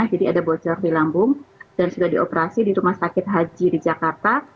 jadi ada bocor di lambung dan sudah dioperasi di rumah sakit haji di jakarta